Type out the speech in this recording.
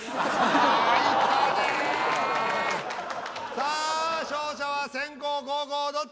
さあ勝者は先攻後攻どっち？